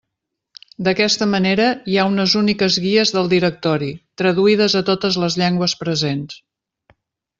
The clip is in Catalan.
D'aquesta manera hi ha unes úniques guies del directori, traduïdes a totes les llengües presents.